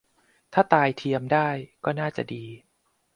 ถ้าตายเทียมได้ ก็น่าจะดี